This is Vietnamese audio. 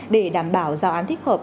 để đảm bảo giao án thích hợp